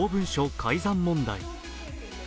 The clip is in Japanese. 改ざん問題。